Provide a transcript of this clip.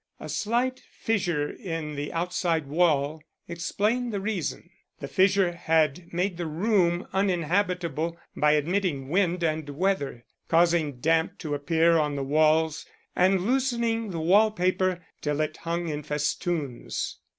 A slight fissure in the outside wall explained the reason: the fissure had made the room uninhabitable by admitting wind and weather, causing damp to appear on the walls, and loosening the wall paper till it hung in festoons.